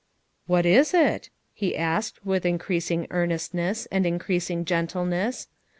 "What is it?" he asked with increasing earnestness, and increasing gentleness.